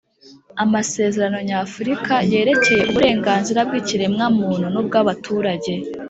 amasezerano nyafrika yerekeye uburenganzira bw’ikiremwamuntu n’ubwabaturage,